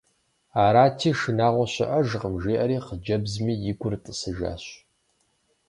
Арати, шынагъуэ щыӏэжкъым жиӏэри, хъыджэбзми и гур тӏысыжащ.